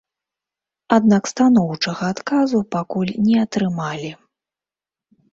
Аднак станоўчага адказу пакуль не атрымалі.